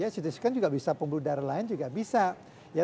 ct scan juga bisa pembuluh darah lain juga bisa